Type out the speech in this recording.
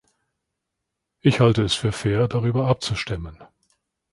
Ich halte es für fair, darüber abzustimmen.